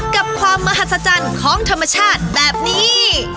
กับความมหัศจรรย์ของธรรมชาติแบบนี้